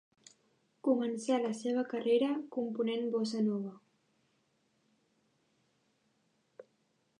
Començà la seva carrera component bossa nova.